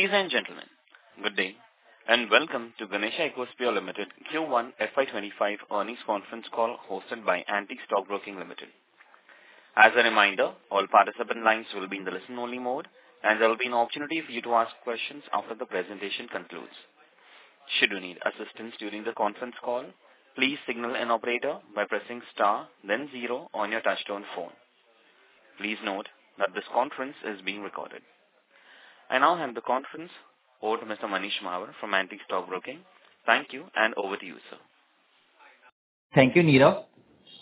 Ladies and gentlemen, good day and welcome to Ganesha Ecosphere Ltd Q1 FY25 Earnings Conference Call hosted by Antique Stockbroking Ltd. As a reminder, all participant lines will be in the listen-only mode, and there will be an opportunity for you to ask questions after the presentation concludes. Should you need assistance during the conference call, please signal an operator by pressing star, then zero on your touch-tone phone. Please note that this conference is being recorded. I now hand the conference over to Mr. Manish Mahawar from Antique Stockbroking. Thank you, and over to you, sir. Thank you, Neera.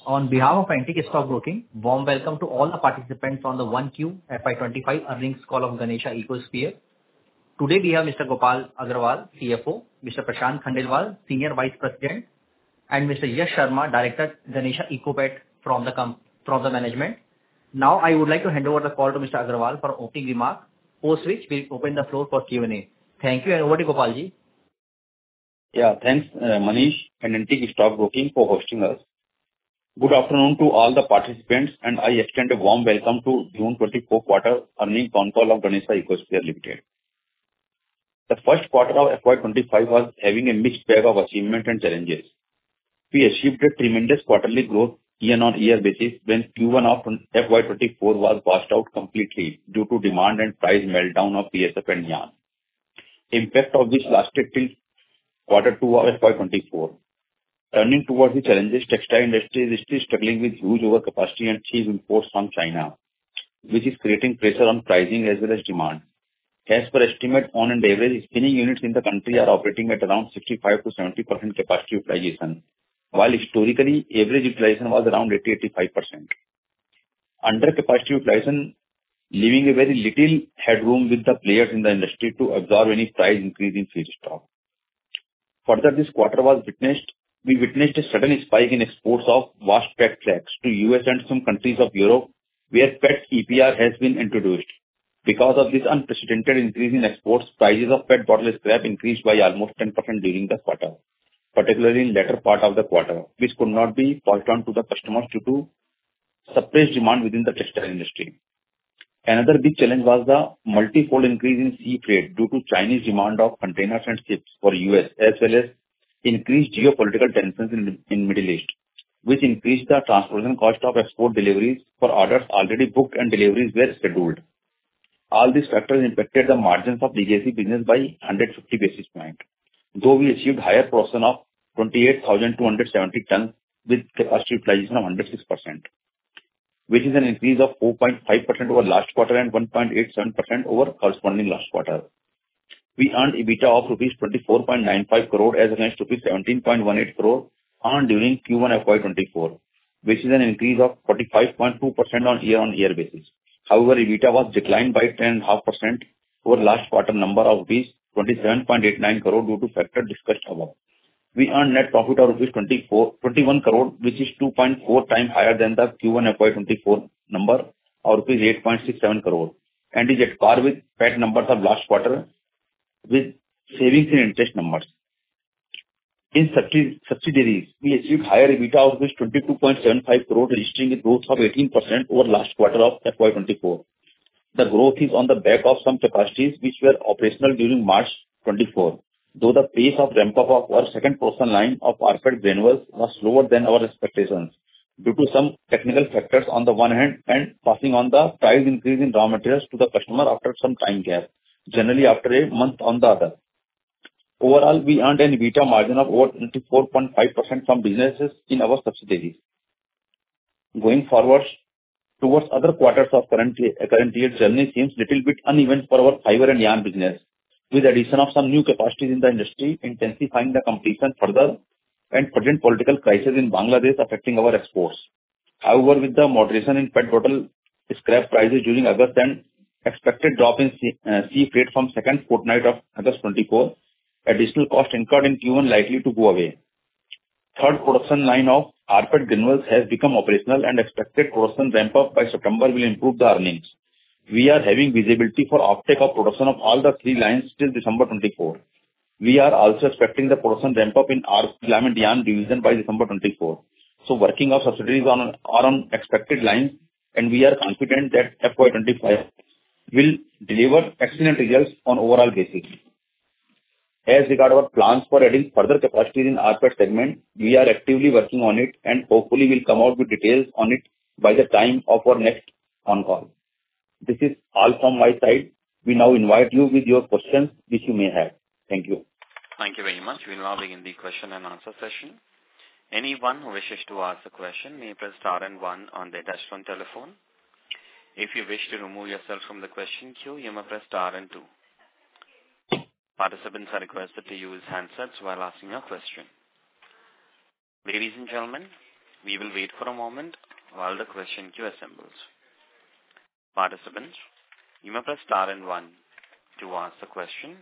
On behalf of Antique Stockbroking, warm welcome to all the participants on the 1Q FY25 Earnings Call of Ganesha Ecosphere. Today we have Mr. Gopal Agarwal, CFO; Mr. Prashant Khandelwal, Senior Vice President; and Mr. Yash Sharma, Director, Ganesha Ecopet from the management. Now, I would like to hand over the call to Mr. Agarwal for opening remarks, post which we'll open the floor for Q&A. Thank you, and over to Gopalji. Yeah, thanks, Manish, and Antique Stockbroking for hosting us. Good afternoon to all the participants, and I extend a warm welcome to the June 24 quarter earnings on call of Ganesha Ecosphere Ltd. The first quarter of FY25 was having a mixed bag of achievements and challenges. We achieved a tremendous quarterly growth year-on-year basis when Q1 of FY24 was washed out completely due to demand and price meltdown of ASF and NYAN. The impact of this lasted till quarter two of FY24. Turning towards the challenges, the textile industry is still struggling with huge overcapacity and cheap imports from China, which is creating pressure on pricing as well as demand. As per estimate, on average, spinning units in the country are operating at around 65%-70% capacity utilization, while historically, average utilization was around 80%-85%. Under capacity utilization, leaving very little headroom with the players in the industry to absorb any price increase in feedstock. Further, this quarter was witnessed. We witnessed a sudden spike in exports of washed PET flakes to the U.S. and some countries of Europe where PET EPR has been introduced. Because of this unprecedented increase in exports, prices of PET bottle scrap increased by almost 10% during the quarter, particularly in the latter part of the quarter, which could not be forced onto the customers due to suppressed demand within the textile industry. Another big challenge was the multi-fold increase in sea freight due to Chinese demand for containers and ships for the U.S., as well as increased geopolitical tensions in the Middle East, which increased the transportation cost of export deliveries for orders already booked and deliveries were scheduled. All these factors impacted the margins of the GSE business by 150 basis points, though we achieved a higher portion of 28,270 tons with capacity utilization of 106%, which is an increase of 4.5% over last quarter and 1.87% over the corresponding last quarter. We earned EBITDA of ₹24.95 crore as against ₹17.18 crore earned during Q1 FY24, which is an increase of 45.2% on year-on-year basis. However, EBITDA was declined by 10.5% over the last quarter number of ₹27.89 crore due to factors discussed above. We earned net profit of ₹21 crore, which is 2.4 times higher than the Q1 FY24 number of ₹8.67 crore, and is at par with PET numbers of last quarter with savings and interest numbers. In subsidiaries, we achieved a higher EBITDA of ₹22.75 crore, registering a growth of 18% over the last quarter of FY24. The growth is on the back of some capacities which were operational during March 2024, though the pace of ramp-up of our second resin line of rPET granules was slower than our expectations due to some technical factors on the one hand and passing on the price increase in raw materials to the customer after some time gap, generally after a month on the other. Overall, we earned an EBITDA margin of over 24.5% from businesses in our subsidiaries. Going forward, towards other quarters of the current year, the journey seems a little bit uneven for our fiber and yarn business, with the addition of some new capacities in the industry intensifying the competition further and the present political crisis in Bangladesh affecting our exports. However, with the moderation in PET Bottle Scrap prices during August and the expected drop in sea freight from the second fortnight of August 2024, additional costs incurred in Q1 are likely to go away. The third production line of rPET granules has become operational, and the expected production ramp-up by September will improve the earnings. We are having visibility for the uptake of production of all the three lines till December 2024. We are also expecting the production ramp-up in the rPET line and yarn division by December 2024. So, working on subsidiaries are on expected lines, and we are confident that FY25 will deliver excellent results on an overall basis. As regard to our plans for adding further capacities in the rPET segment, we are actively working on it, and hopefully, we will come out with details on it by the time of our next on-call. This is all from my side. We now invite you with your questions which you may have. Thank you. Thank you very much for involving in the question and answer session. Anyone who wishes to ask a question may press star and one on the touch-tone telephone. If you wish to remove yourself from the question queue, you may press star and two. Participants are requested to use handsets while asking a question. Ladies and gentlemen, we will wait for a moment while the question queue assembles. Participants, you may press star and one to ask a question.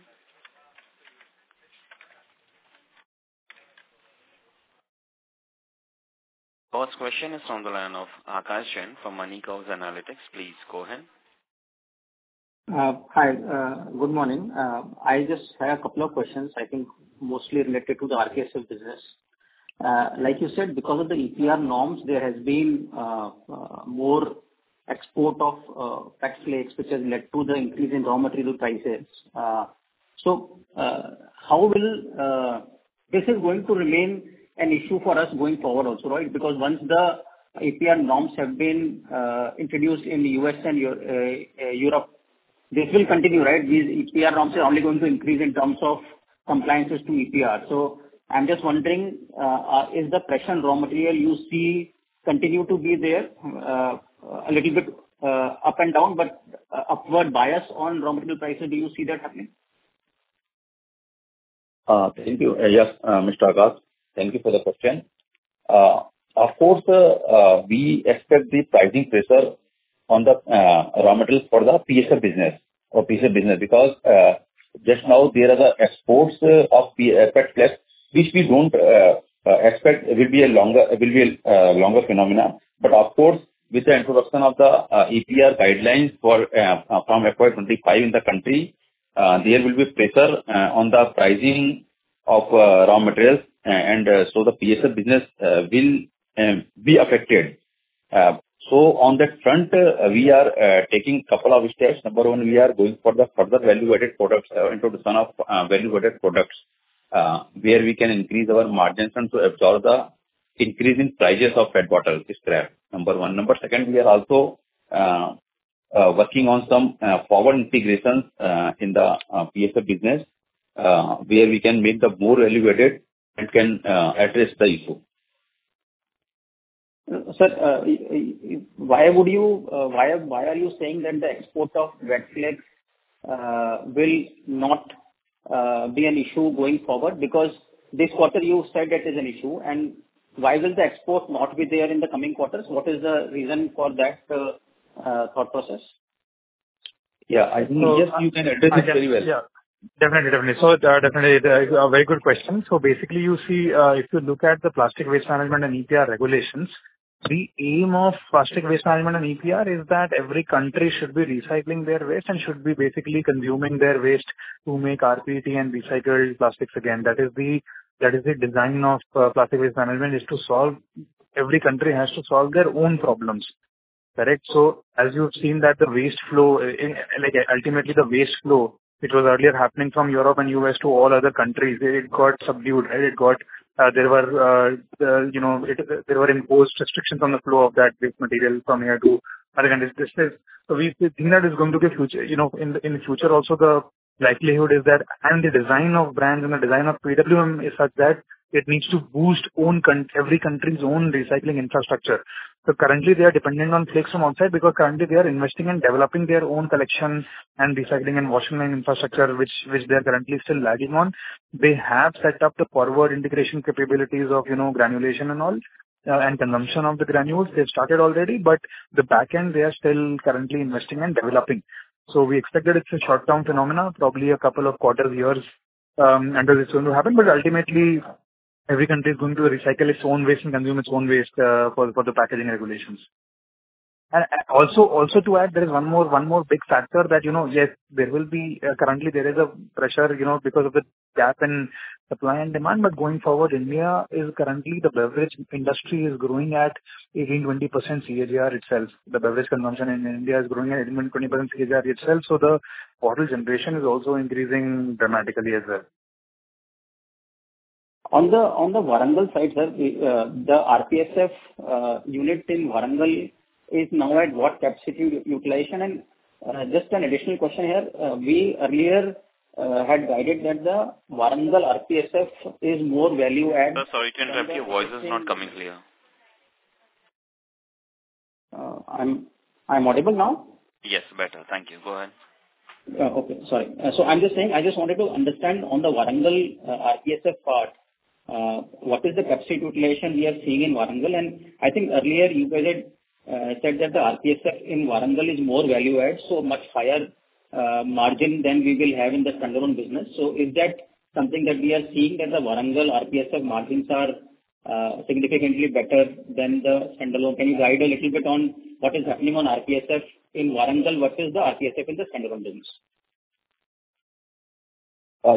First question is from the line of Aakash Jain from Money Curves Analytics. Please go ahead. Hi, good morning. I just have a couple of questions, I think mostly related to the RPSF business. Like you said, because of the EPR norms, there has been more export of PET flakes, which has led to the increase in raw material prices. So, how will this going to remain an issue for us going forward also, right? Because once the EPR norms have been introduced in the US and Europe, this will continue, right? These EPR norms are only going to increase in terms of compliances to EPR. So, I'm just wondering, is the pressure on raw material you see continue to be there? A little bit up and down, but upward bias on raw material prices, do you see that happening? Thank you. Yes, Mr. Aakash, thank you for the question. Of course, we expect the pricing pressure on the raw materials for the PSF business or PSF business because just now there are the exports of PET flakes, which we don't expect will be a longer phenomenon. But of course, with the introduction of the EPR guidelines from FY25 in the country, there will be pressure on the pricing of raw materials, and so the PSF business will be affected. So, on that front, we are taking a couple of steps. Number one, we are going for the further value-added products into the sort of value-added products where we can increase our margins and to absorb the increase in prices of PET bottle scrap. Number one. Number second, we are also working on some forward integrations in the PSF business where we can make the more value-added and can address the issue. Sir, why are you saying that the export of PET flakes will not be an issue going forward? Because this quarter you said that is an issue, and why will the export not be there in the coming quarters? What is the reason for that thought process? Yeah, I think you can address it very well. Yeah, definitely, definitely. So, definitely, a very good question. So, basically, you see, if you look at the plastic waste management and EPR regulations, the aim of plastic waste management and EPR is that every country should be recycling their waste and should be basically consuming their waste to make rPET and recycle plastics again. That is the design of plastic waste management is to solve every country has to solve their own problems, correct? So, as you've seen that the waste flow, like ultimately the waste flow, which was earlier happening from Europe and U.S. to all other countries, it got subdued, right? It got there were imposed restrictions on the flow of that waste material from here to other countries. So, we think that is going to be a future. In the future also, the likelihood is that the design of brands and the design of PWM is such that it needs to boost every country's own recycling infrastructure. So, currently, they are dependent on flakes from outside because currently they are investing and developing their own collection and recycling and washing line infrastructure, which they are currently still lagging on. They have set up the forward integration capabilities of granulation and all and consumption of the granules. They've started already, but the back end they are still currently investing and developing. So, we expected it's a short-term phenomenon, probably a couple of quarters, years until it's going to happen. But ultimately, every country is going to recycle its own waste and consume its own waste for the packaging regulations. Also to add, there is one more big factor that yes, there is currently a pressure because of the gap in supply and demand, but going forward, the beverage industry in India is growing at 18-20% CAGR itself. The beverage consumption in India is growing at 18-20% CAGR itself. So, the bottle generation is also increasing dramatically as well. On the Warangal side, sir, the RPSF unit in Warangal is now at what capacity utilization? And just an additional question here. We earlier had guided that the Warangal RPSF is more value-added. Sorry, it can't hear you. Voice is not coming clear. I'm audible now? Yes, better. Thank you. Go ahead. Okay, sorry. So, I'm just saying I just wanted to understand on the Warangal RPSF part, what is the capacity utilization we are seeing in Warangal? And I think earlier you guys had said that the RPSF in Warangal is more value-added, so much higher margin than we will have in the standalone business. So, is that something that we are seeing that the Warangal RPSF margins are significantly better than the standalone? Can you guide a little bit on what is happening on RPSF in Warangal? What is the RPSF in the standalone business?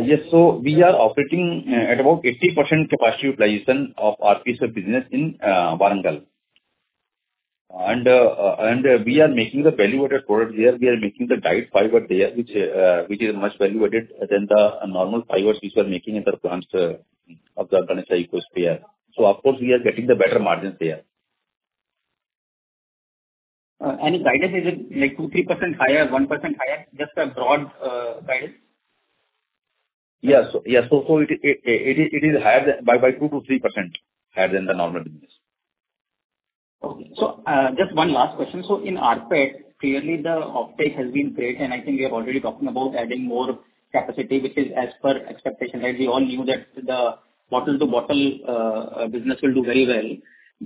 Yes, so we are operating at about 80% capacity utilization of RPSF business in Warangal. And we are making the value-added product there. We are making the dyed fiber there, which is much value-added than the normal fibers which we are making at the plants of the Ganesha Ecosphere. So, of course, we are getting the better margins there. Any guidance? Is it like 2%, 3% higher, 1% higher? Just a broad guidance. Yes, yes. So, it is higher by 2%-3% higher than the normal business. Okay. So, just one last question. So, in rPET, clearly the uptake has been great, and I think we are already talking about adding more capacity, which is as per expectation, right? We all knew that the bottle-to-bottle business will do very well.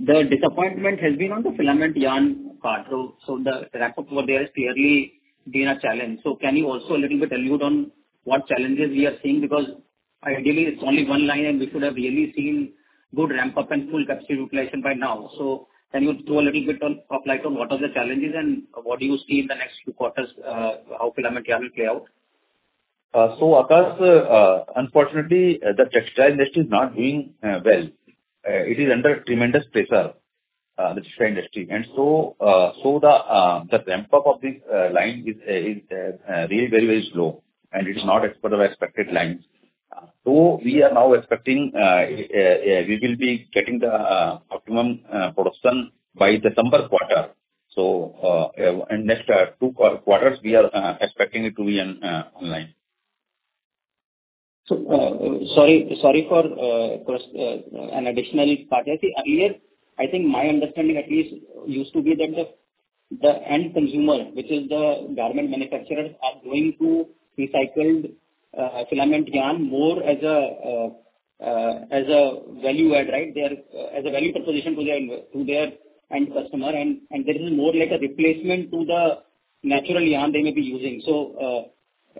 The disappointment has been on the filament yarn part. So, the ramp-up over there is clearly being a challenge. So, can you also a little bit allude to what challenges we are seeing? Because ideally, it's only one line, and we should have really seen good ramp-up and full capacity utilization by now. So, can you throw a little bit of light on what are the challenges and what do you see in the next few quarters how filament yarn will play out? So, Aakash, unfortunately, the textile industry is not doing well. It is under tremendous pressure, the textile industry. And so, the ramp-up of this line is very, very slow, and it is not as per the expected lines. So, we are now expecting we will be getting the optimum production by the summer quarter. So, in the next two quarters, we are expecting it to be online. So, sorry for an additional part. I think earlier, I think my understanding at least used to be that the end consumer, which is the garment manufacturers, are going to recycled filament yarn more as a value-add, right? As a value proposition to their end customer, and there is more like a replacement to the natural yarn they may be using.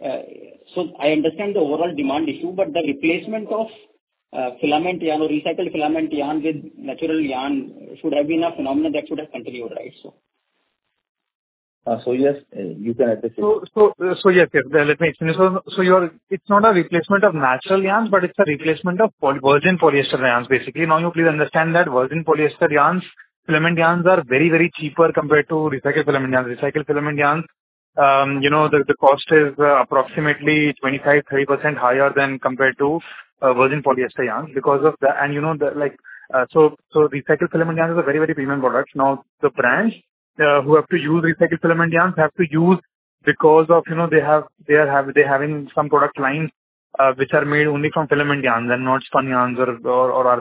So, I understand the overall demand issue, but the replacement of filament yarn or recycled filament yarn with natural yarn should have been a phenomenon that should have continued, right? So, yes, you can address it. So, yes, yes. Let me explain. So, it's not a replacement of natural yarns, but it's a replacement of virgin polyester yarns, basically. Now, you please understand that virgin polyester yarns, filament yarns are very, very cheaper compared to recycled filament yarns. Recycled filament yarns, the cost is approximately 25%-30% higher than compared to virgin polyester yarns because of the... And you know, like so, recycled filament yarns are very, very premium products. Now, the brands who have to use recycled filament yarns have to use because of they are having some product lines which are made only from filament yarns and not spun yarns or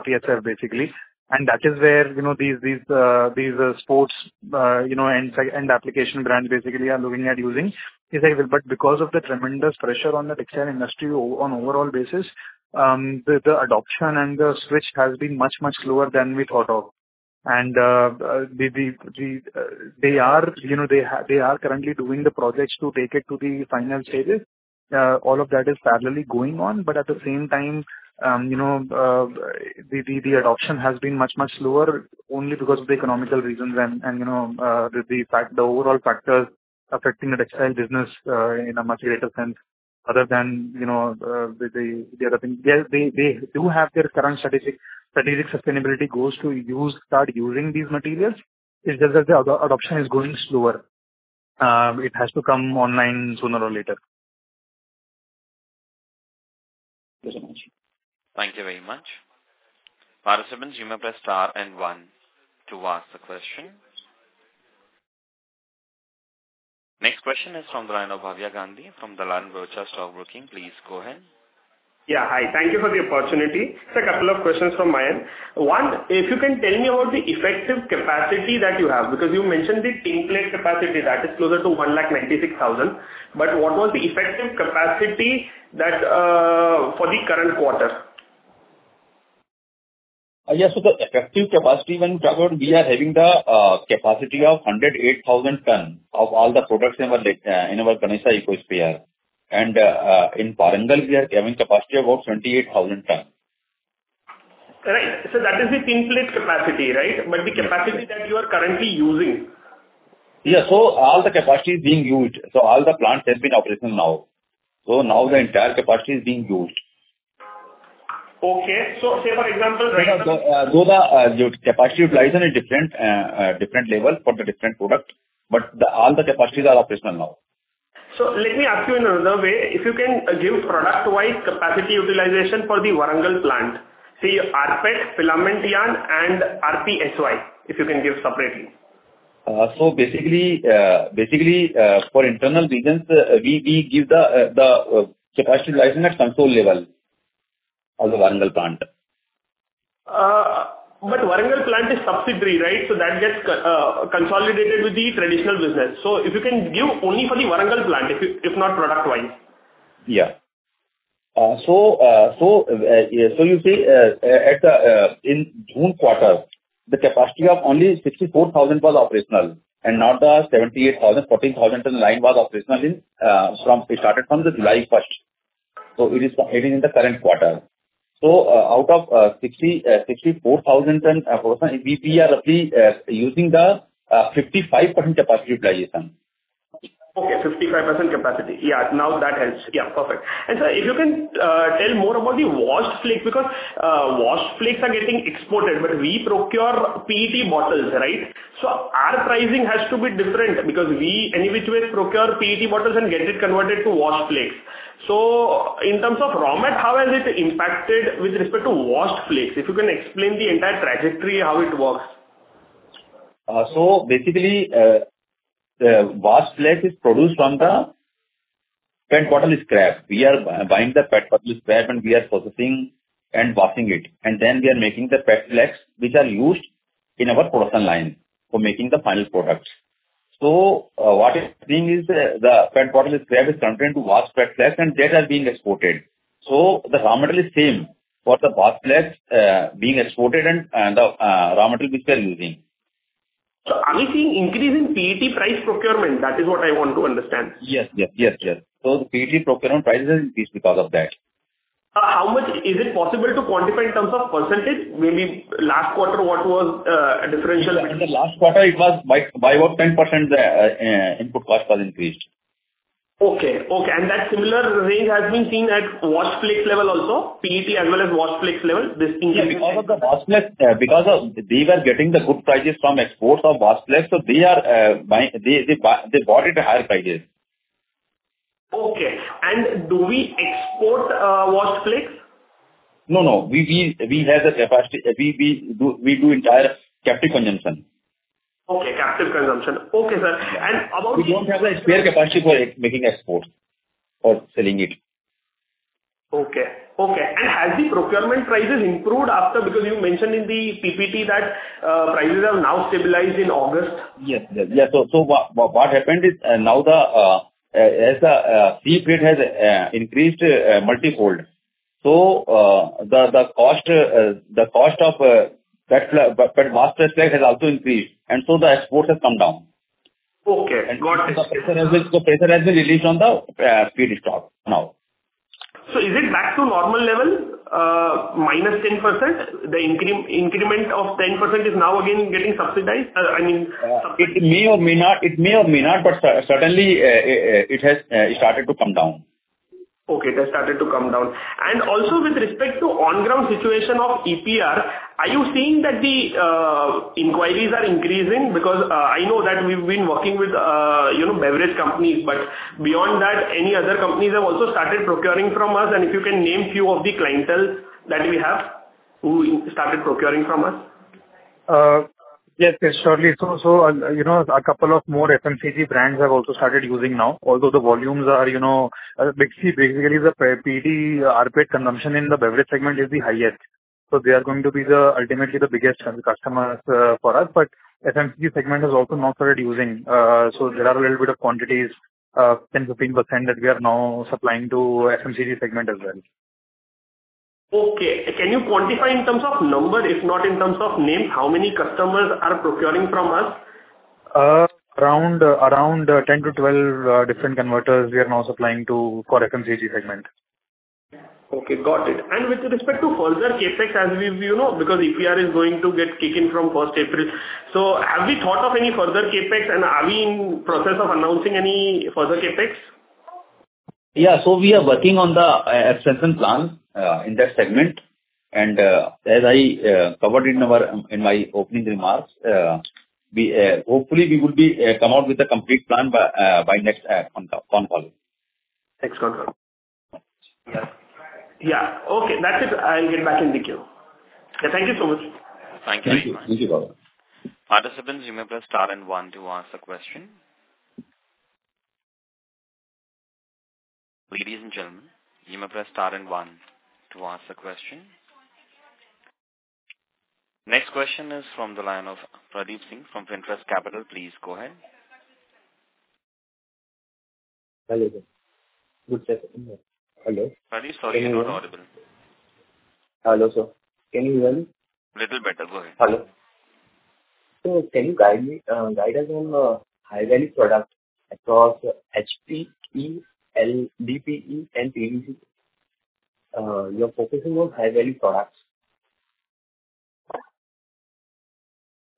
RPSF, basically. And that is where these sports and application brands basically are looking at using recycled. but because of the tremendous pressure on the textile industry on an overall basis, the adoption and the switch has been much, much slower than we thought of. And they are currently doing the projects to take it to the final stages. All of that is parallelly going on, but at the same time, the adoption has been much, much slower only because of the economical reasons and the overall factors affecting the textile business in a much greater sense other than the other things. They do have their current strategic sustainability goals to start using these materials. It's just that the adoption is going slower. It has to come online sooner or later. Thank you very much. Participants, you may press star and one to ask the question. Next question is from the line of Bhavya Gandhi from Dalal & Broacha Stock Broking. Please go ahead. Yeah, hi. Thank you for the opportunity. So, a couple of questions from my end. One, if you can tell me about the effective capacity that you have because you mentioned the nameplate capacity that is closer to 196,000. But what was the effective capacity for the current quarter? Yes, so the effective capacity when we talk about we are having the capacity of 108,000 tons of all the products in our Ganesha Ecosphere. And in Warangal, we are having capacity of about 28,000 tons. Right. So, that is the nameplate capacity, right? But the capacity that you are currently using? Yeah, so all the capacity is being used. So, all the plants have been operational now. So, now the entire capacity is being used. Okay, so say for example, right? So, the capacity utilization is different level for the different products, but all the capacities are operational now. So, let me ask you in another way. If you can give product-wise capacity utilization for the Warangal plant, say rPET, filament yarn, and RPSY, if you can give separately. So, basically, for internal reasons, we give the capacity utilization at consolidated level of the Warangal plant. But Warangal plant is subsidiary, right? So, that gets consolidated with the traditional business. So, if you can give only for the Warangal plant, if not product-wise. Yeah. So, you see, in June quarter, the capacity of only 64,000 was operational and not the 78,000. The 14,000 line was operational from it started from July 1st. So, it is in the current quarter. So, out of 64,000 production, we are roughly using the 55% capacity utilization. Okay, 55% capacity. Yeah, now that helps. Yeah, perfect. And sir, if you can tell more about the washed flakes because washed flakes are getting exported, but we procure PET bottles, right? So, our pricing has to be different because we individually procure PET bottles and get it converted to washed flakes. So, in terms of raw material, how has it impacted with respect to washed flakes? If you can explain the entire trajectory, how it works. So, basically, the washed flakes is produced from the PET bottle scrap. We are buying the PET bottle scrap and we are processing and washing it. And then we are making the PET flakes which are used in our production line for making the final products. So, what is being is the PET bottle scrap is converted into washed PET flakes and that are being exported. So, the raw material is same for the washed flakes being exported and the raw material which we are using. So, are we seeing increase in PET price procurement? That is what I want to understand. Yes, yes, yes, yes. So, the PET procurement prices have increased because of that. How much is it possible to quantify in terms of percentage? Maybe last quarter, what was differential? Last quarter, it was by about 10%, the input cost was increased. Okay, okay. And that similar range has been seen at washed flakes level also? PET as well as washed flakes level? This increase. Because of the washed flakes, because they were getting the good prices from exports of washed flakes, so they bought it at higher prices. Okay, and do we export washed flakes? No, no. We have the capacity. We do entire captive consumption. Okay, captive consumption. Okay, sir. And about the. We don't have the spare capacity for making exports or selling it. Okay, okay. And has the procurement prices improved after? Because you mentioned in the PPT that prices have now stabilized in August. Yes, yes, yes, so what happened is now as the sea freight has increased multi-fold, so the cost of PET washed flakes has also increased, and so the exports have come down. Okay. Got it. The pressure has been released on the feedstock now. So, is it back to normal level? Minus 10%? The increment of 10% is now again getting subsidized? I mean. It may or may not, but certainly, it has started to come down. Okay, it has started to come down. And also, with respect to on-ground situation of EPR, are you seeing that the inquiries are increasing? Because I know that we've been working with beverage companies, but beyond that, any other companies have also started procuring from us? And if you can name a few of the clientele that we have who started procuring from us. Yes, yes, surely. So, a couple of more FMCG brands have also started using now. Although the volumes are basically the PET rPET consumption in the beverage segment is the highest. So, they are going to be ultimately the biggest customers for us. But FMCG segment has also now started using. So, there are a little bit of quantities, 10%-15% that we are now supplying to FMCG segment as well. Okay. Can you quantify in terms of number? If not in terms of names, how many customers are procuring from us? Around 10 to 12 different converters we are now supplying for FMCG segment. Okay, got it. And with respect to further CapEx, as, because EPR is going to get kicked in from 1st April. So, have we thought of any further CapEx? And are we in the process of announcing any further CapEx? Yeah, so we are working on the extension plan in that segment. And as I covered in my opening remarks, hopefully, we will come out with a complete plan by next phone call. Thanks, Gopal. Yeah. Okay, that's it. I'll get back in the queue. Thank you so much. Thank you. Thank you. Participants, you may press star and one to ask the question. Ladies and gentlemen, you may press star and one to ask the question. Next question is from the line of Pradeep Singh from Finterest Capital. Please go ahead. Hello, sir. Good. Pradeep, sorry, you're not audible. Hello, sir. Can you hear me? A little better. Go ahead. Hello. So can you guide us on high-value products across HDPE, LDPE, and PET? You are focusing on high-value products.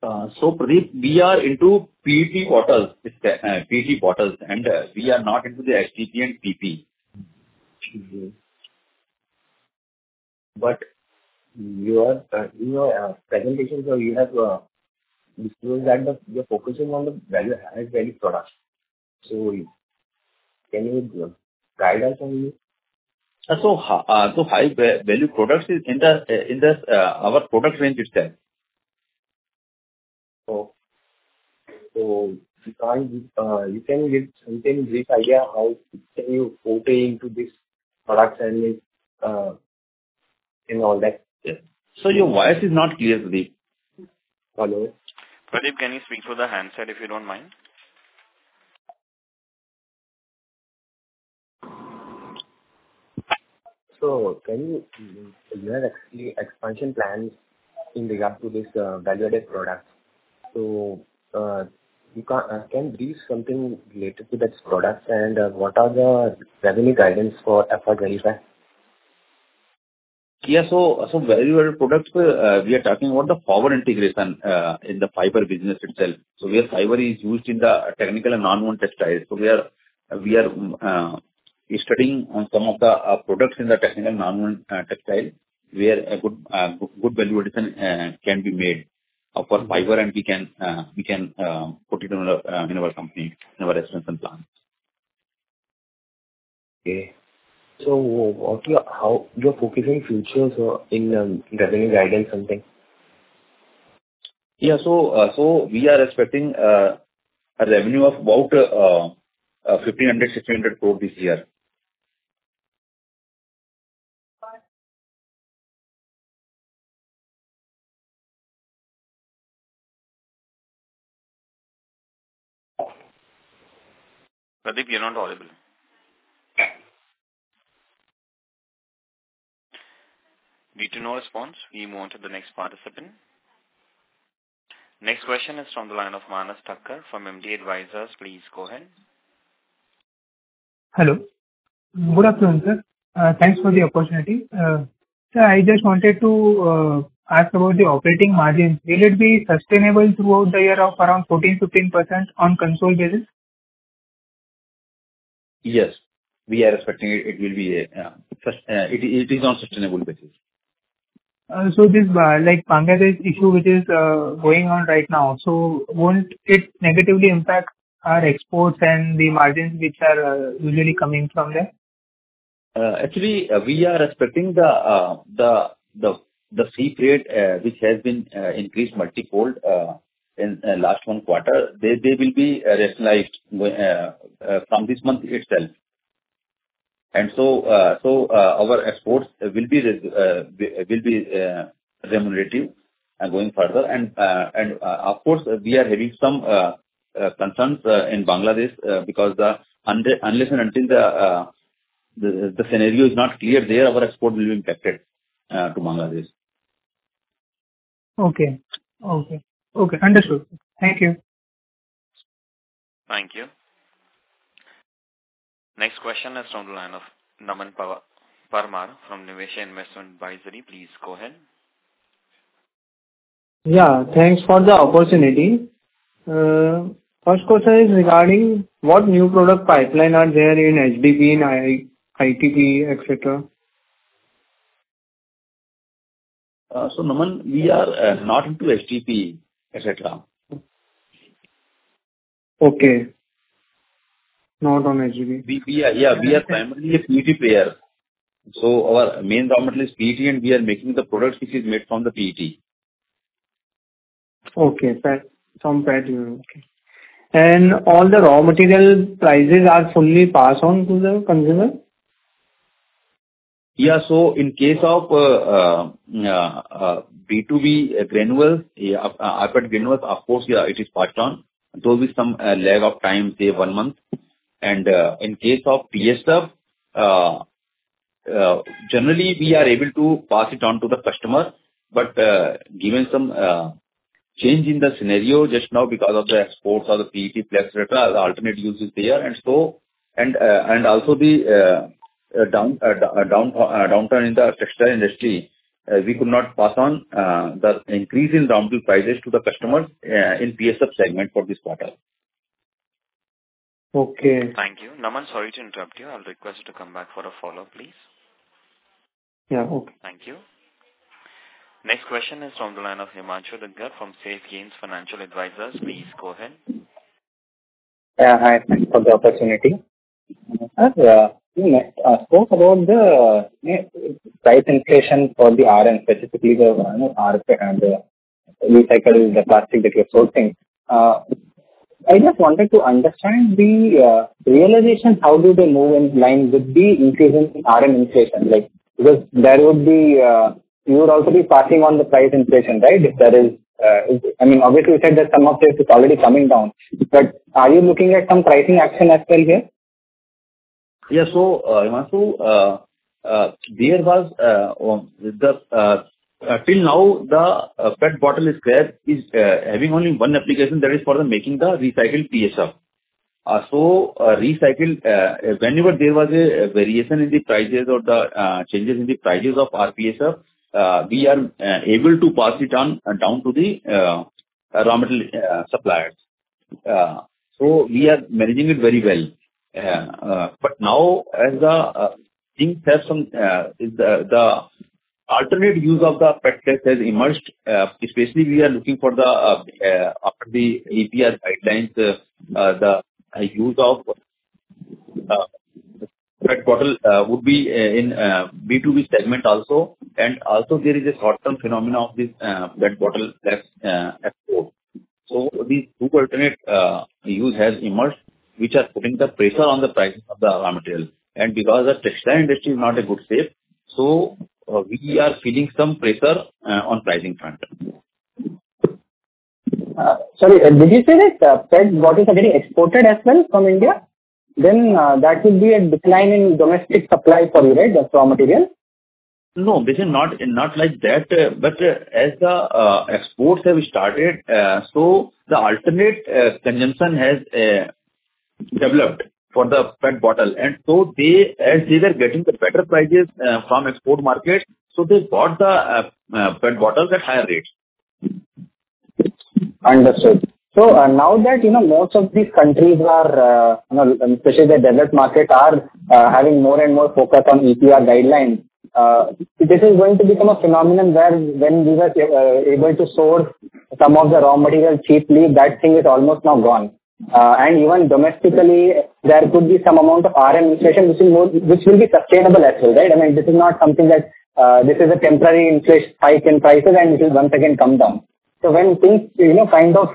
Pradeep, we are into PET bottles. PET bottles. And we are not into the HDPE and PP. But your presentation, sir, you have disclosed that you are focusing on the high-value products. So can you guide us on this? High-value products is in our product range itself. Okay. So you can give this idea how can you okay into this product and all that? So, your voice is not clear, Pradeep. Hello. Pradeep, can you speak to the handset if you don't mind? You have expansion plans in regard to this value-added product. Can you brief something related to that product and what are the revenue guidance for FY25? Yeah, so value-added products, we are talking about the forward integration in the fiber business itself. So where fiber is used in the technical and non-woven textiles. So we are studying on some of the products in the technical and non-woven textile where good value addition can be made for fiber, and we can put it in our company, in our expansion plan. Okay. So what are your focusing features in revenue guidance, something? Yeah, so we are expecting a revenue of about 1,500-1,600 crore this year. Pradeep, you're not audible. Need to know response? We move on to the next participant. Next question is from the line of Manas Thakkar from MD Advisors. Please go ahead. Hello. Good afternoon, sir. Thanks for the opportunity. Sir, I just wanted to ask about the operating margins. Will it be sustainable throughout the year of around 14%-15% on consolidated basis? Yes, we are expecting it will be on sustainable basis. This Bangladesh issue which is going on right now, so won't it negatively impact our exports and the margins which are usually coming from there? Actually, we are expecting the sea freight which has been increased multi-fold in the last one quarter, they will be rationalized from this month itself. And so our exports will be remunerative going further. And of course, we are having some concerns in Bangladesh because unless and until the scenario is not clear there, our export will be impacted to Bangladesh. Okay, okay, okay. Understood. Thank you. Thank you. Next question is from the line of Naman Parmar from Niveshaay Investment Advisory. Please go ahead. Yeah, thanks for the opportunity. First question is regarding what new product pipeline are there in HDPE and PET, etc.? Naman, we are not into HDPE, etc. Okay. Not on HDPE. Yeah, we are primarily a PET player. So our main raw material is PET, and we are making the products which is made from the PET. Okay, from PET. Okay. And all the raw material prices are fully passed on to the consumer? Yeah, so in case of B2B granules, rPET granules, of course, yeah, it is passed on. There will be some lag of time, say one month. And in case of PSF, generally, we are able to pass it on to the customer. But given some change in the scenario just now because of the exports of the PET flakes, etc., the alternate use is there. And also, the downturn in the textile industry, we could not pass on the increase in raw material prices to the customers in PSF segment for this quarter. Okay. Thank you. Naman, sorry to interrupt you. I'll request you to come back for a follow-up, please. Yeah, okay. Thank you. Next question is from the line of Himanshu Dugar from Safe Gains Financial Advisors. Please go ahead. Yeah, hi. Thanks for the opportunity. Sir, we next ask about the price inflation for the rPET, specifically the rPET recycle, the plastic that you're sourcing. I just wanted to understand the realization, how do they move in line with the increase in rPET inflation? Because you would also be passing on the price inflation, right? I mean, obviously, you said that some of it is already coming down. But are you looking at some pricing action as well here? Yeah, so Himanshu, there was till now the PET bottle scrap having only one application. That is for making the recycled PSF. So recycled, whenever there was a variation in the prices or the changes in the prices of our PSF, we are able to pass it down to the raw material suppliers. So we are managing it very well. But now, as the things have, the alternate use of the PET flakes has emerged, especially after the EPR guidelines, the use of PET bottle would be in B2B segment also. And also, there is a short-term phenomenon of this PET bottle flakes export. So these two alternate uses have emerged, which are putting the pressure on the price of the raw material. And because the textile industry is not in good shape, so we are feeling some pressure on pricing front. Sorry, did you say that PET bottles are getting exported as well from India? Then that would be a decline in domestic supply for you, right, of raw material? No, this is not like that. But as the exports have started, so the alternative consumption has developed for the PET bottle. And so as they were getting the better prices from export markets, so they bought the PET bottles at higher rates. Understood. So now that most of these countries are, especially the developed market, are having more and more focus on EPR guidelines, this is going to become a phenomenon where when we were able to source some of the raw material cheaply, that thing is almost now gone. And even domestically, there could be some amount of RM inflation, which will be sustainable as well, right? I mean, this is not something that is a temporary inflation spike in prices, and it will once again come down. So when things kind of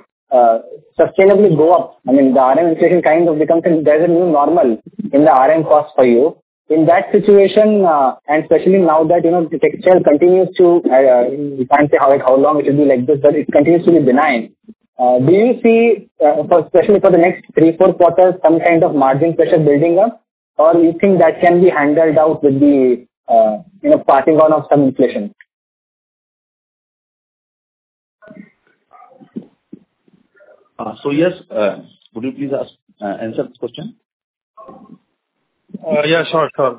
sustainably go up, I mean, the RM inflation kind of becomes. There's a new normal in the RM cost for you. In that situation, and especially now that textile continues too. You can't say how long it will be like this, but it continues to be benign. Do you see, especially for the next three, four quarters, some kind of margin pressure building up? Or do you think that can be handled without the passing on of some inflation? So yes, would you please answer the question? Yeah, sure, sure.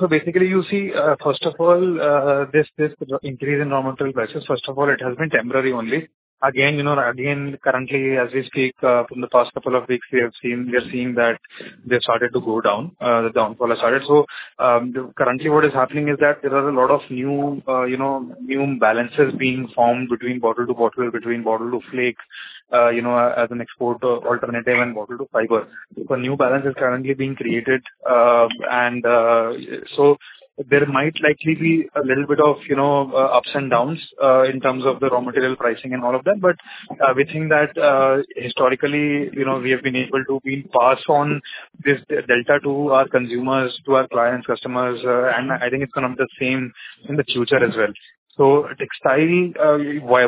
So basically, you see, first of all, this increase in raw material prices, first of all, it has been temporary only. Again, currently, as we speak, from the past couple of weeks, we have seen that they've started to go down, the downfall has started. So currently, what is happening is that there are a lot of new balances being formed between bottle to bottle, between bottle to flake, as an export alternative, and bottle to fiber. So new balances are currently being created. And so there might likely be a little bit of ups and downs in terms of the raw material pricing and all of that. But we think that historically, we have been able to pass on this delta to our consumers, to our clients, customers. And I think it's going to be the same in the future as well. So, textile, why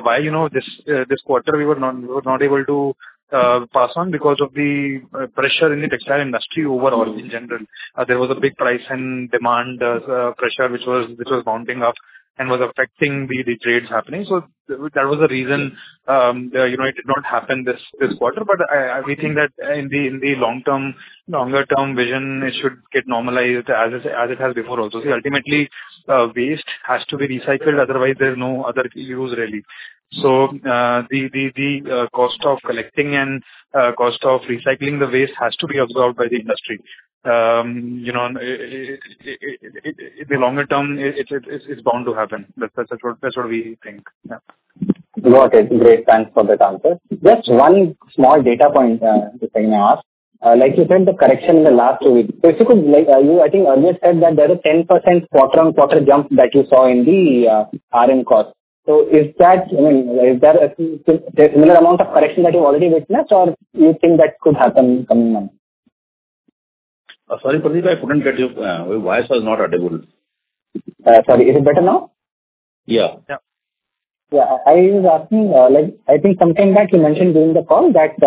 this quarter we were not able to pass on? Because of the pressure in the textile industry overall in general. There was a big price and demand pressure which was mounting up and was affecting the trades happening. So that was the reason it did not happen this quarter. But we think that in the long-term, longer-term vision, it should get normalized as it has before also. Ultimately, waste has to be recycled. Otherwise, there's no other use really. So the cost of collecting and cost of recycling the waste has to be absorbed by the industry. In the longer term, it's bound to happen. That's what we think. Okay. Great. Thanks for that answer. Just one small data point, just a quick ask. Like you said, the correction in the last two weeks. So if you could, I think earlier said that there is a 10% quarter-on-quarter jump that you saw in the RM cost. So is that, I mean, is there a similar amount of correction that you already witnessed, or do you think that could happen coming months? Sorry, Dugar, I couldn't get you. Your voice was not audible. Sorry, is it better now? Yeah. Yeah. I was asking, I think something that you mentioned during the call that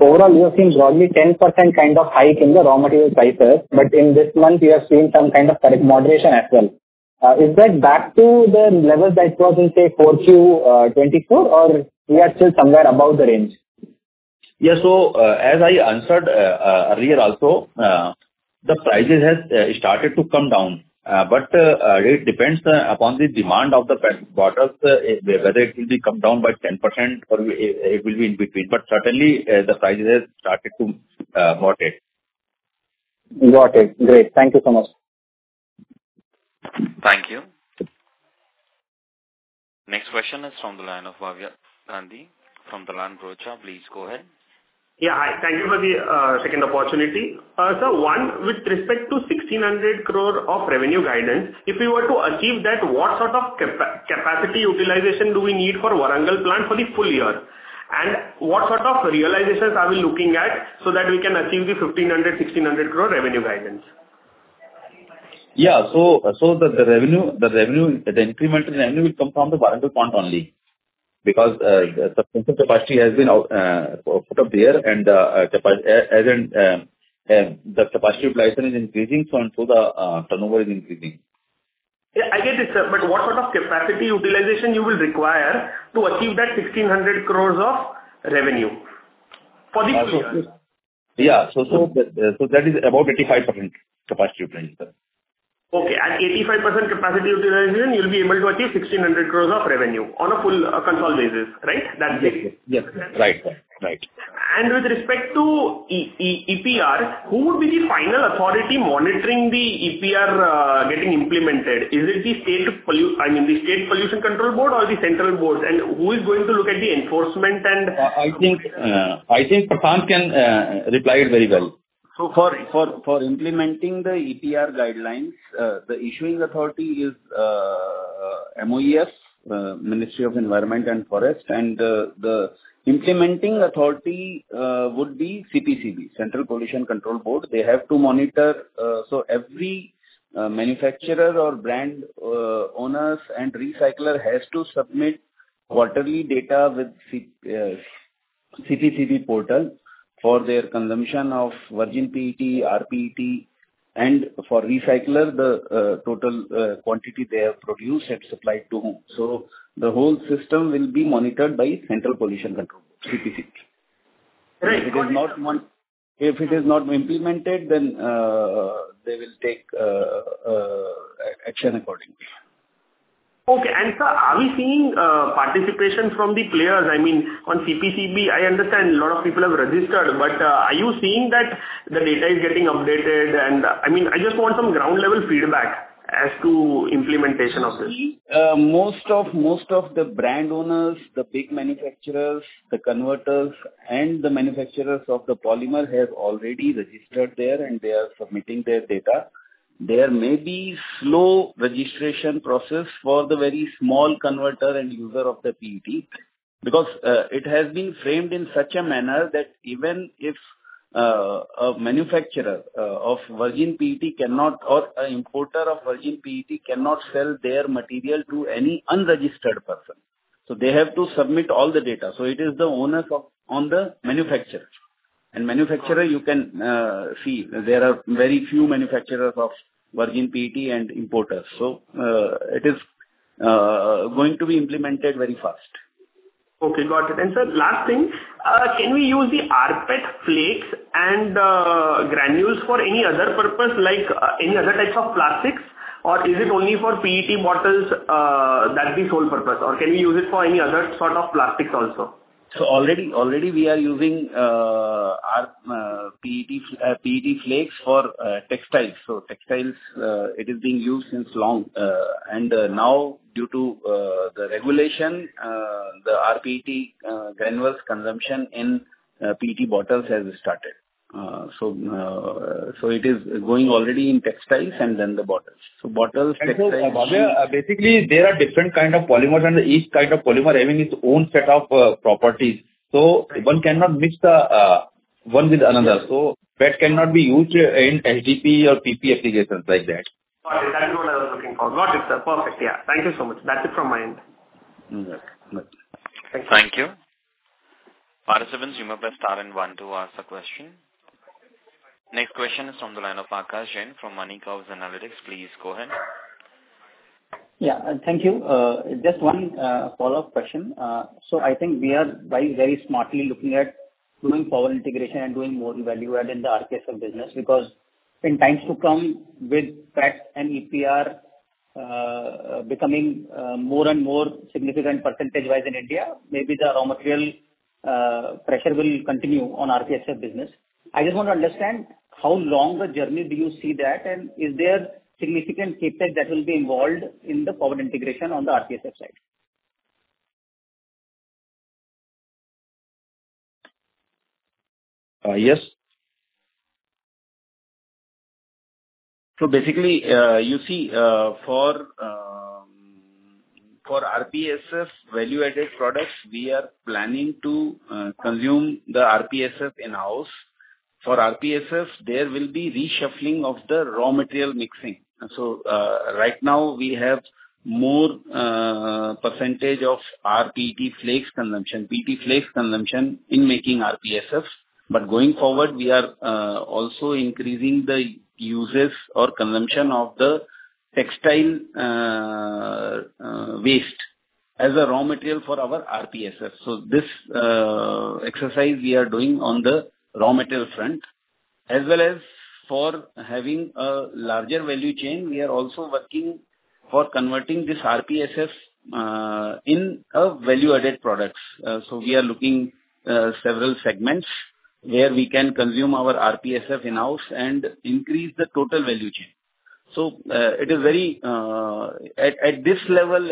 overall, you have seen broadly 10% kind of hike in the raw material prices. But in this month, you have seen some kind of moderation as well. Is that back to the level that was in, say, 4Q24, or we are still somewhere above the range? Yeah, so as I answered earlier also, the prices have started to come down. But it depends upon the demand of the PET bottles, whether it will be come down by 10% or it will be in between. But certainly, the prices have started to moderate. Got it. Great. Thank you so much. Thank you. Next question is from the line of Bhavya Gandhi from Dalal & Broacha, please go ahead. Yeah, hi. Thank you for the second opportunity. Sir, one, with respect to 1,600 crore of revenue guidance, if we were to achieve that, what sort of capacity utilization do we need for Warangal plant for the full year? And what sort of realizations are we looking at so that we can achieve the 1,500-1,600 crore revenue guidance? Yeah, so the revenue, the incremental revenue will come from the Warangal plant only because the substantial capacity has been put up there, and the capacity utilization is increasing, so the turnover is increasing. Yeah, I get it, sir. But what sort of capacity utilization you will require to achieve that 1,600 crores of revenue for the full year? Yeah, so that is about 85% capacity utilization. Okay. At 85% capacity utilization, you'll be able to achieve 1,600 crores of revenue on a full consolidated basis, right? That's it? Yes, yes. Right, right, right. And with respect to EPR, who would be the final authority monitoring the EPR getting implemented? Is it the state, I mean, the State Pollution Control Board or the central boards? And who is going to look at the enforcement and? I think Prashant can reply it very well. So for implementing the EPR guidelines, the issuing authority is MOEF, Ministry of Environment and Forest. And the implementing authority would be CPCB, Central Pollution Control Board. They have to monitor. So every manufacturer or brand owner and recycler has to submit quarterly data with CPCB portal for their consumption of virgin PET, RPET, and for recycler, the total quantity they have produced and supplied to whom. So the whole system will be monitored by Central Pollution Control Board, CPCB. Great. If it is not implemented, then they will take action accordingly. Okay. And sir, are we seeing participation from the players? I mean, on CPCB, I understand a lot of people have registered. But are you seeing that the data is getting updated? And I mean, I just want some ground-level feedback as to implementation of this. Most of the brand owners, the big manufacturers, the converters, and the manufacturers of the polymer have already registered there, and they are submitting their data. There may be slow registration process for the very small converter and user of the PET because it has been framed in such a manner that even if a manufacturer of virgin PET cannot or an importer of virgin PET cannot sell their material to any unregistered person. So they have to submit all the data. So it is the owners and the manufacturers. And manufacturers, you can see there are very few manufacturers of virgin PET and importers. So it is going to be implemented very fast. Okay. Got it. And sir, last thing, can we use the rPET flakes and granules for any other purpose, like any other types of plastics? Or is it only for PET bottles that the sole purpose? Or can we use it for any other sort of plastics also? Already, we are using PET flakes for textiles. Textiles, it is being used since long. Now, due to the regulation, the RPET granules consumption in PET bottles has started. It is going already in textiles and then the bottles. Bottles, textiles. So basically, there are different kinds of polymers, and each kind of polymer has its own set of properties. So one cannot mix one with another. So that cannot be used in HDPE or PP applications like that. That is what I was looking for. Got it, sir. Perfect. Yeah. Thank you so much. That's it from my end. Good. Good. Thank you. Thank you. Participants, you may press star and one to ask a question. Next question is from the line of Aakash Jain from Money Curves Analytics. Please go ahead. Yeah. Thank you. Just one follow-up question. So I think we are very smartly looking at doing forward integration and doing more value-add in the RPSF business because in times to come with PET and EPR becoming more and more significant percentage-wise in India, maybe the raw material pressure will continue on RPSF business. I just want to understand how long the journey do you see that, and is there significant CapEx that will be involved in the forward integration on the RPSF side? Yes. So basically, you see, for RPSF value-added products, we are planning to consume the RPSF in-house. For RPSF, there will be reshuffling of the raw material mixing. So right now, we have more percentage of RPET flakes consumption, PET flakes consumption in making RPSF. But going forward, we are also increasing the uses or consumption of the textile waste as a raw material for our RPSF. So this exercise we are doing on the raw material front. As well as for having a larger value chain, we are also working for converting this RPSF in value-added products. So we are looking at several segments where we can consume our RPSF in-house and increase the total value chain. So it is very at this level,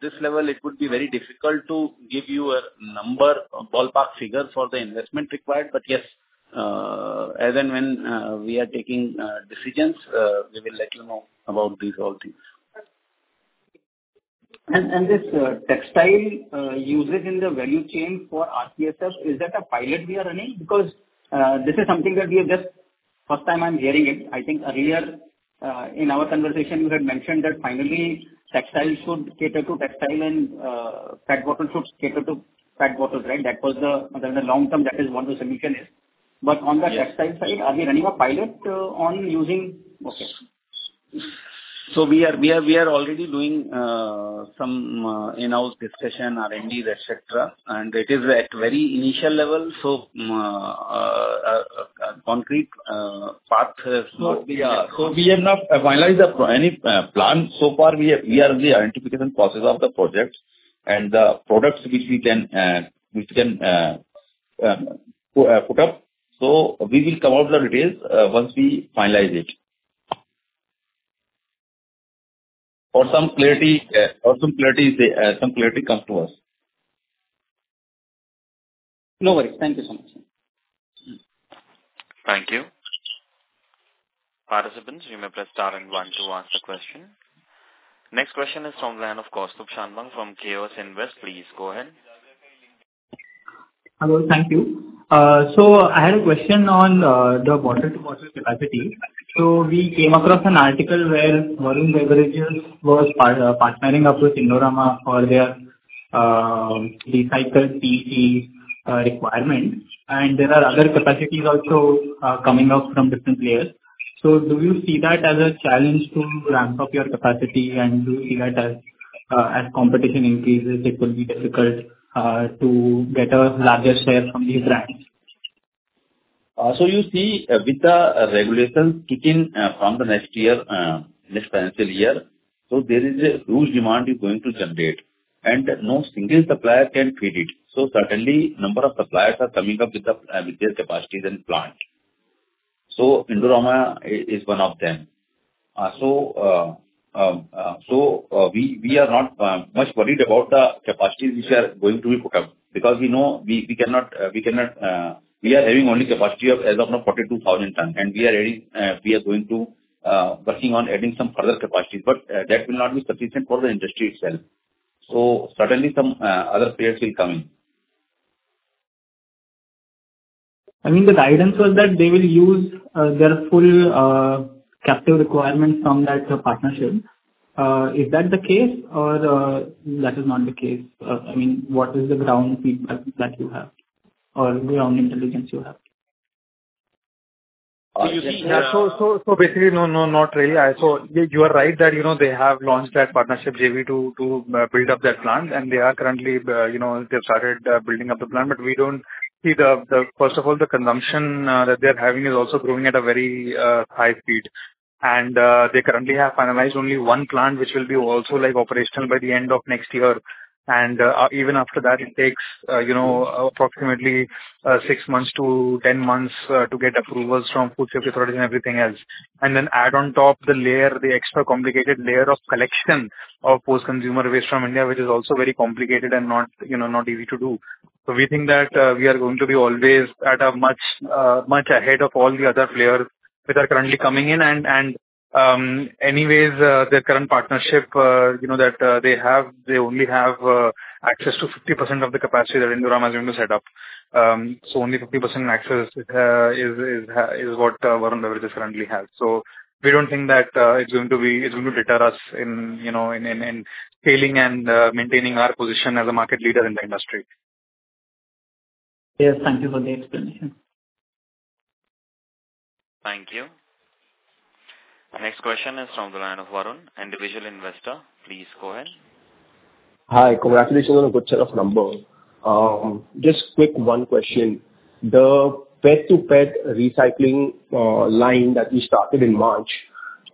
it would be very difficult to give you a number, a ballpark figure for the investment required. But yes, as and when we are taking decisions, we will let you know about these all things. This textile usage in the value chain for RPSF, is that a pilot we are running? Because this is something that we have just first time I'm hearing it. I think earlier in our conversation, you had mentioned that finally, textile should cater to textile and PET bottle should cater to PET bottles, right? That was the long-term that is what the solution is. But on the textile side, are we running a pilot on using? Okay. We are already doing some in-house discussion, R&D, etc. It is at very initial level. Concrete path has not been finally the plan. So far, we are in the identification process of the project and the products which we can put up. We will come out with the details once we finalize it or some clarity comes to us. No worries. Thank you so much. Thank you. Participants, you may press star and one to ask a question. Next question is from the line of Kaustubh Shanbhag from KOIS Invest. Please go ahead. Hello. Thank you. So I had a question on the bottle-to-bottle capacity. So we came across an article where Varun Beverages was partnering up with Indorama Ventures for their recycled PET requirement. And there are other capacities also coming out from different players. So do you see that as a challenge to ramp up your capacity? And do you see that as competition increases, it would be difficult to get a larger share from these brands? So you see, with the regulations kicking from the next year, next financial year, there is a huge demand you're going to generate. No single supplier can feed it. Certainly, a number of suppliers are coming up with their capacities and plant. Indorama is one of them. We are not much worried about the capacities which are going to be put up because we know we cannot. We are having only capacity as of now, 42,000 tons. We are going to work on adding some further capacities. That will not be sufficient for the industry itself. Certainly, some other players will come in. I mean, the guidance was that they will use their full captive requirements from that partnership. Is that the case, or that is not the case? I mean, what is the ground feedback that you have or ground intelligence you have? So basically, no, not really. So you are right that they have launched that partnership, JV, to build up their plant. And they are currently building up the plant. But we don't see, first of all, the consumption that they're having is also growing at a very high speed. And they currently have finalized only one plant, which will be also operational by the end of next year. And even after that, it takes approximately 6 months to 10 months to get approvals from Food Safety Authority and everything else. And then add on top the layer, the extra complicated layer of collection of post-consumer waste from India, which is also very complicated and not easy to do. So we think that we are going to be always at a much ahead of all the other players that are currently coming in. Anyways, the current partnership that they have, they only have access to 50% of the capacity that Indorama is going to set up. So only 50% access is what Varun Beverages currently has. So we don't think that it's going to deter us in scaling and maintaining our position as a market leader in the industry. Yes. Thank you for the explanation. Thank you. Next question is from the line of Varun, individual investor. Please go ahead. Hi. Congratulations on the good set of numbers. Just quick one question. The PET-to-PET recycling line that we started in March,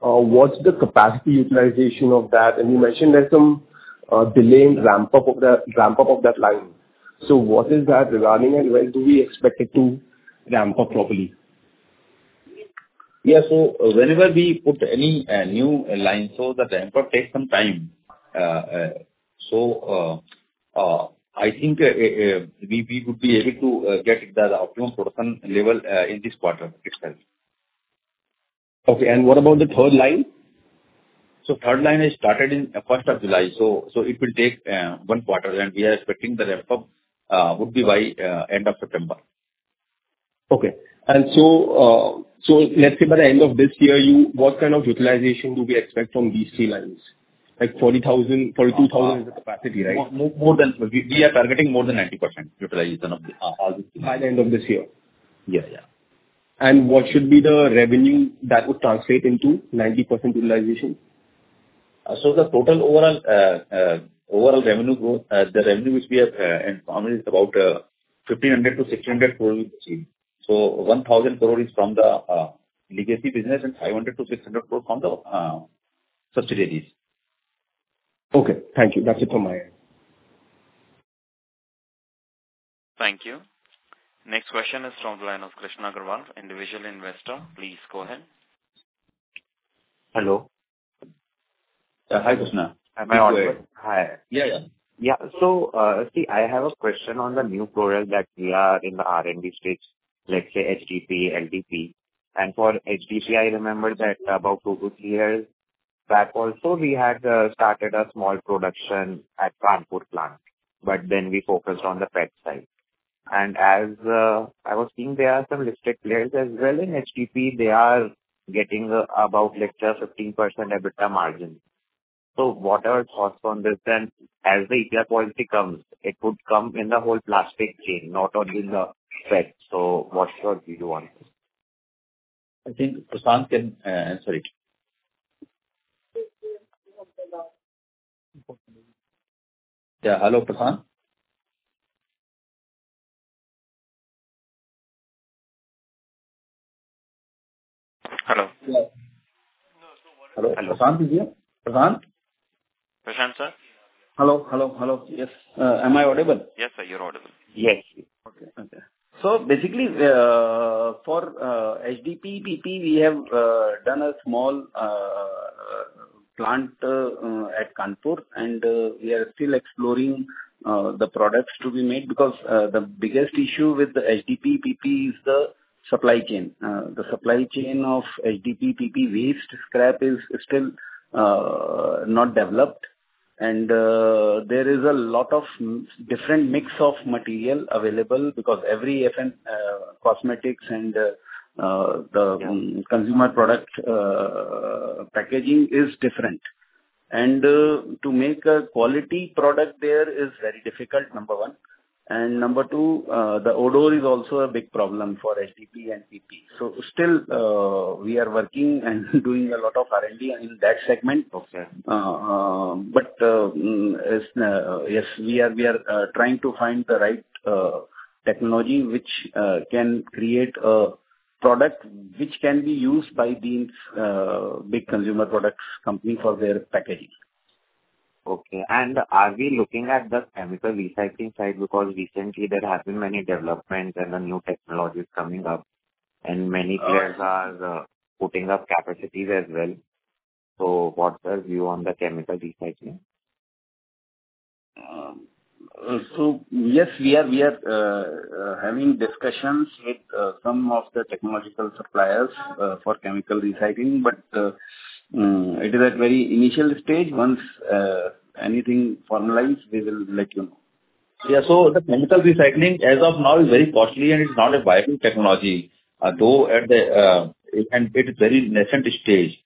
what's the capacity utilization of that? And you mentioned there's some delay in ramp-up of that line. So what is that regarding? And when do we expect it to ramp up properly? Yeah. So whenever we put any new line, so the ramp-up takes some time. So I think we would be able to get the optimum production level in this quarter itself. Okay. And what about the third line? The third line is started in 1st of July. It will take one quarter. We are expecting the ramp-up would be by end of September. Okay, and so let's say by the end of this year, what kind of utilization do we expect from these three lines? Like, 42,000 is the capacity, right? We are targeting more than 90% utilization of the. By the end of this year? Yeah, yeah. What should be the revenue that would translate into 90% utilization? So the total overall revenue growth, the revenue which we have informed is about 1,500-1,600 crores we receive. So 1,000 crores is from the legacy business and 500-600 crores from the subsidiaries. Okay. Thank you. That's it from my end. Thank you. Next question is from the line of Krishna Grewal, individual investor. Please go ahead. Hello. Hi, Krishna. Hi, am I audible? Hi. Yeah, yeah. Yeah. So see, I have a question on the new foray that we are in the R&D stage, let's say HDPE, LDPE. And for HDPE, I remember that about two to three years back, also we had started a small production at Kanpur plant. But then we focused on the PET side. And as I was seeing, there are some listed players as well in HDPE. They are getting about 15% EBITDA margin. So what are your thoughts on this? And as the EPR quality comes, it would come in the whole plastic chain, not only in the PET. So what sort do you want? I think Prashant can, sorry. Yeah. Hello, Prashant? Hello. Hello. Prashant, is it you? Prashant? Prashant, sir? Hello. Hello. Hello. Yes. Am I audible? Yes, sir. You're audible. Yes. Okay. Okay. So basically, for HDPE, PP, we have done a small plant at Kanpur. And we are still exploring the products to be made because the biggest issue with the HDPE, PP is the supply chain. The supply chain of HDPE, PP waste scrap is still not developed. And there is a lot of different mix of material available because every cosmetics and the consumer product packaging is different. And to make a quality product there is very difficult, number one. And number two, the odor is also a big problem for HDPE and PP. So still, we are working and doing a lot of R&D in that segment. But yes, we are trying to find the right technology which can create a product which can be used by these big consumer products companies for their packaging. Okay. And are we looking at the chemical recycling side because recently there have been many developments and the new technologies coming up, and many players are putting up capacities as well? So what's your view on the chemical recycling? Yes, we are having discussions with some of the technological suppliers for chemical recycling. It is at very initial stage. Once anything formalized, we will let you know. Yeah. So the chemical recycling as of now is very costly, and it's not a viable technology. And it's very nascent stage.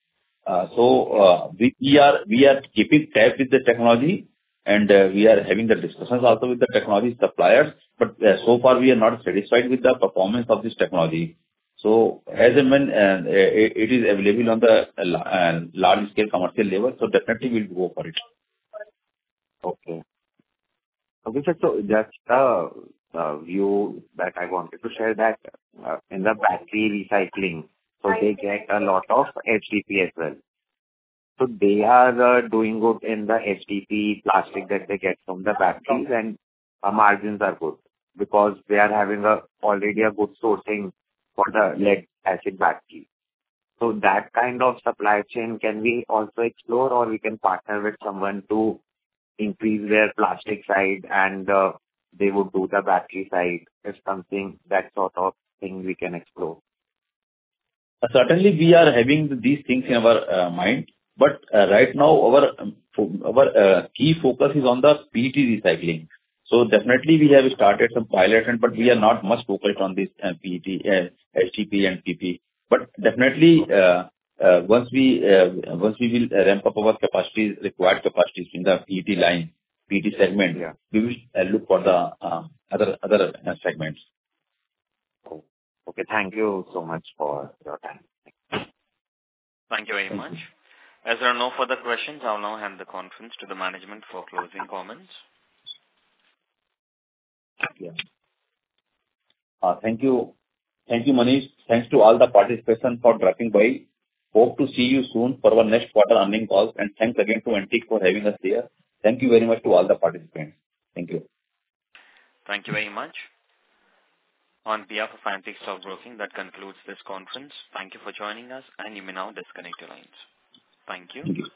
So we are keeping tabs with the technology, and we are having the discussions also with the technology suppliers. But so far, we are not satisfied with the performance of this technology. So as and when it is available on the large-scale commercial level, so definitely, we'll go for it. Okay. So that's the view that I wanted to share that in the battery recycling. So they get a lot of HDPE as well. So they are doing good in the HDPE plastic that they get from the batteries, and margins are good because they are having already a good sourcing for the lead-acid battery. So that kind of supply chain can we also explore, or we can partner with someone to increase their plastic side, and they would do the battery side. It's something that sort of thing we can explore. Certainly, we are having these things in our mind. But right now, our key focus is on the PET recycling. So definitely, we have started some pilots, but we are not much focused on this HDPE and PP. But definitely, once we will ramp up our required capacities in the PET line, PET segment, we will look for the other segments. Okay. Thank you so much for your time. Thank you very much. As there are no further questions, I'll now hand the conference to the management for closing comments. Thank you. Thank you, Manish. Thanks to all the participants for dropping by. Hope to see you soon for our next quarter earnings calls. And thanks again to Antique for having us here. Thank you very much to all the participants. Thank you. Thank you very much. On behalf of Antique Stockbroking, that concludes this conference. Thank you for joining us, and you may now disconnect your lines. Thank you.